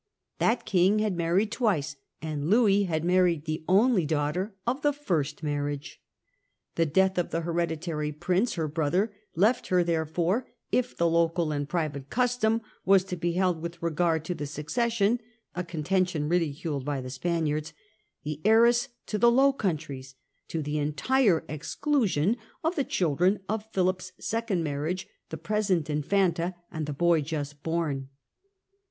That king had married twice, and Louis had married the only daughter of the first marriage. The death of the here ditary prince, her brother, left her, therefore, if the local and private custom was to hold with regard to the succession — a contention ridiculed by the Spaniards — the heiress to the Low Countries, to the entire exclusion of the children of Philip's second marriage, the present infanta and the boy just born.